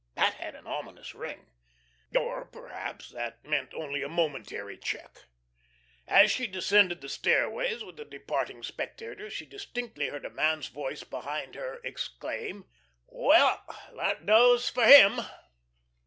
That had an ominous ring. Or, perhaps, that meant only a momentary check. As she descended the stairways, with the departing spectators, she distinctly heard a man's voice behind her exclaim: "Well, that does for him!"